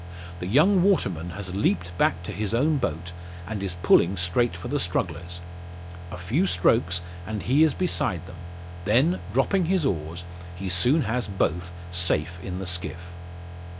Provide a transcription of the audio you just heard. The young waterman has leaped back to his own boat, and is pulling straight for the strugglers. A few strokes, and he is beside them; then, dropping his oars, he soon has both safe in the skiff.